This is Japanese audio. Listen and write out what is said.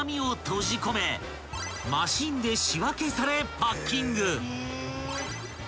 ［マシンで仕分けされパッキング］